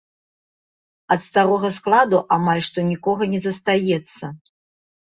Ад старога складу амаль што нікога не застаецца.